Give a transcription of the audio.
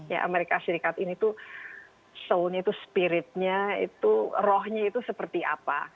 ya amerika serikat ini tuh soul nya spirit nya rohnya itu seperti apa